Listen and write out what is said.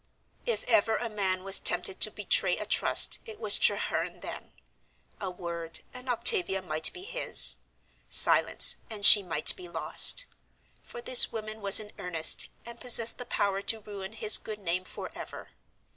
If ever a man was tempted to betray a trust it was Treherne then. A word, and Octavia might be his; silence, and she might be lost; for this woman was in earnest, and possessed the power to ruin his good name forever.